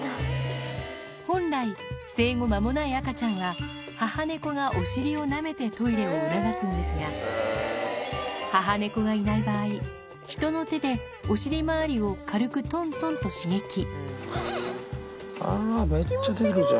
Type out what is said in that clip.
本来、生後間もない赤ちゃんは、母猫がお尻をなめてトイレを促すんですが、母猫がいない場合、人の手で、あー、めっちゃ出るじゃん。